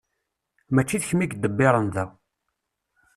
Mačči d kemm i iḍebbiren da.